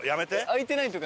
開いてないとか。